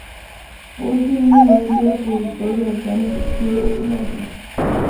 Ponti en ese momento era productor de las bandas Skid Row y Nelson.